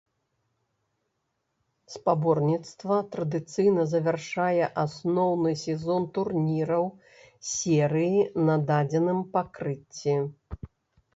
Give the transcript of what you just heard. Спаборніцтва традыцыйна завяршае асноўны сезон турніраў серыі на дадзеным пакрыцці.